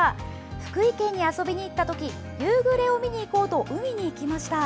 福井県に遊びに行った時夕暮れを見に行こうと海に行きました。